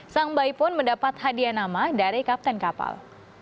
sang bayi pun mendapat hadiah nama dari kapten kapal